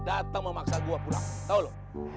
dateng memaksa gua pulang tau lu